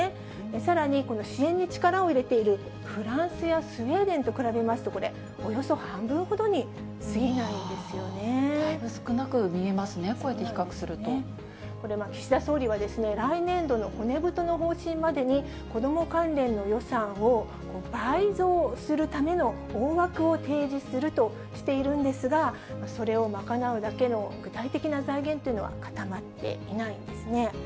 さらに、この支援に力を入れているフランスやスウェーデンと比べますとこれ、およそ半分ほどにすぎないんですよね。だいぶ少なく見えますね、これ、岸田総理は来年度の骨太の方針までに、子ども関連の予算を倍増するための大枠を提示するとしているんですが、それを賄うだけの具体的な財源というのは固まっていないんですね。